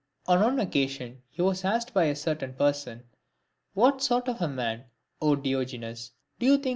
On one occasion, he was asked by a certain person, " What sort of a man, 0 Diogenes, do you think Socrates